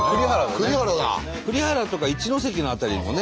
栗原とか一関の辺りもね